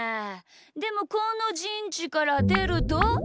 でもこのじんちからでると？